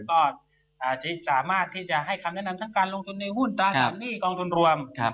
ก็จะสามารถที่จะให้คำแนะนำทั้งการลงทุนในหุ้นตราสารหนี้กองทุนรวม